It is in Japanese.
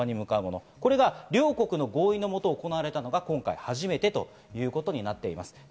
これが両国の合意のもと行われたのが今回初めてということになっています。